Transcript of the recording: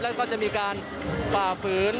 แล้วก็จะมีการฝ่าฝืน